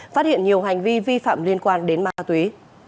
phát hiện nhiều hành vi vi phạm liên quan đến ma túy